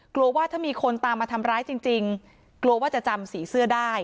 กลัวว่าถ้ามีคนตามมาทำร้ายจริงกลัวว่าจะจำสีเสื้อได้